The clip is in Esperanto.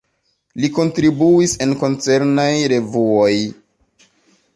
Li kontribuis en koncernaj revuoj.